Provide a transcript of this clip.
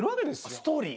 ストーリー。